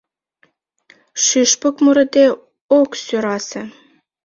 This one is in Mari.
Шӱшпык мурыде ок сӧрасе.